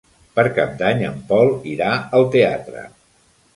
Per Cap d'Any en Pol irà al teatre.